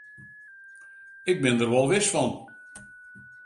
Ik bin der wol wis fan.